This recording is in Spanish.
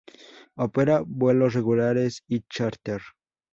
Opera vuelos regulares y chárter.